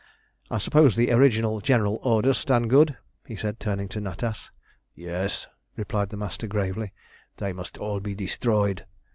I suppose the original general orders stand good?" he said, turning to Natas. "Yes," replied the Master gravely. "They must all be destroyed.